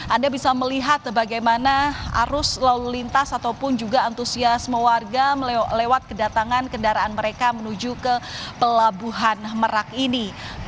anda bisa melihat bagaimana arus lalu lintas ataupun juga antusiasme warga lewat kedatangan kendaraan mereka menuju ke pelabuhan merak ini